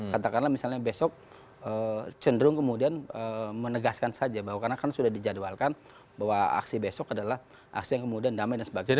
katakanlah misalnya besok cenderung kemudian menegaskan saja bahwa karena kan sudah dijadwalkan bahwa aksi besok adalah aksi yang kemudian damai dan sebagainya